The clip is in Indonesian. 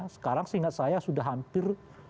sekarang seingat saya sudah hampir